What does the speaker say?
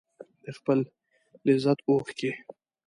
د خپل لذت اوښکې